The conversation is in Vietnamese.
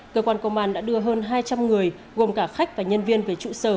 cơ quan công an đã đưa hơn hai trăm linh người gồm cả khách và nhân viên về trụ sở